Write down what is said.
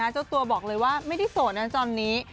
เจ้าตัวบอกเลยว่าไม่ได้โสดนะตอนนี้